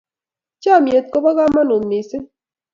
chamiet kobo kamangut mosing